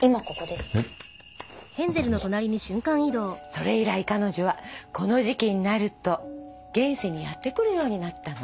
それ以来彼女はこの時期になると現世にやって来るようになったの。